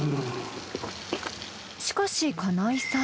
しかし金井さん